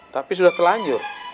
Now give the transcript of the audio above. tapi sudah telanjur